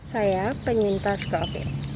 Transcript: saya penyintas covid sembilan belas